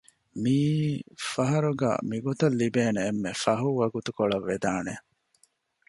މީއީ ފަހަރުގަ މިގޮތަށް ލިބޭނެ އެންމެ ފަހު ވަގުތުކޮޅަށް ވެދާނެ